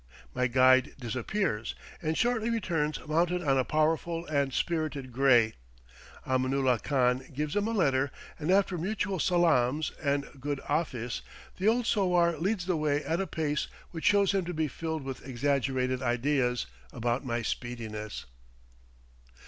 My guide disappears, and shortly returns mounted on a powerful and spirited gray. Aminulah Khan gives him a letter, and after mutual salaams, and "good ahfis," the old sowar leads the way at a pace which shows him to be filled with exaggerated ideas about my speediness.